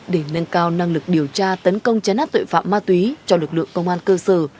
để nâng cao năng lực điều tra tấn công chấn áp tội phạm ma túy cho lực lượng công an cơ sở